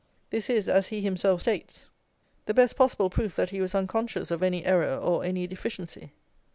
This is, as he himself states, the best possible proof that he was unconscious of any error or any deficiency.